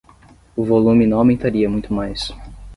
O volume não aumentaria muito mais.